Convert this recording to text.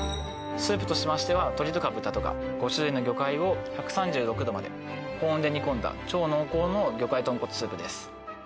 スープとしましては鶏とか豚とか５種類の魚介を１３６度まで高温で煮込んだ超濃厚の魚介豚骨スープです